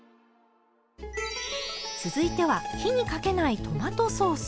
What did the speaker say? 続いては火にかけないトマトソース。